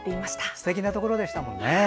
すてきなところでしたよね。